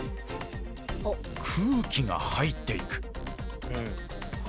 空気が入っていく。